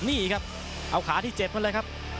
นี่ครับเอาขาที่เจ็บมาเลยครับ